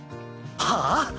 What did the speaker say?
はあ？